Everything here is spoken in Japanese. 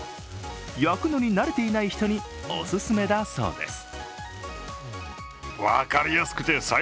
焼くのになれていない人におすすめだそうです。